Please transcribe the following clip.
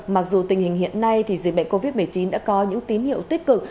mặc dù tình hình hiện nay thì dịch bệnh covid một mươi chín đã có những tín hiệu tích cực